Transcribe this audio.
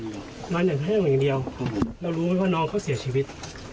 นอนอย่างแห้งอย่างเดียวเรารู้ไหมว่าน้องเขาเสียชีวิต